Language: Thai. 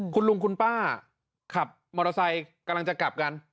คุณลุงคุณป้าขับมอเตอร์ไซค์กำลังจะกลับกัน